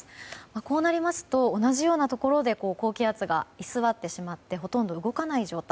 こうなりますと同じようなところで高気圧が居座ってしまってほとんど動かない状態。